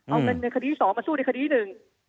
เอาเงินในคดีที่๒มาสู้ในคดีที่๑